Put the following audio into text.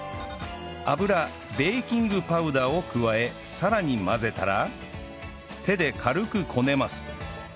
油ベーキングパウダーを加えさらに混ぜたら手で軽くこねます